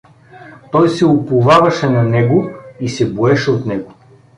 Той се уповаваше на него и се боеше от него.